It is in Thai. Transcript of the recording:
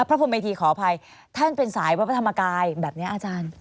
พระพรมเมธีขออภัยท่านเป็นสายวัดพระธรรมกายแบบนี้อาจารย์